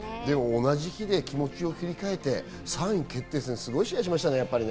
同じ日で気持ちを切り替えて３位決定戦ですごい試合をしましたね。